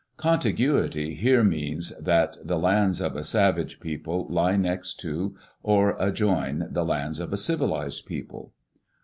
"Contiguity" here means that the lands of a savage people lie next to, or adjoin, the lands of a civilized people.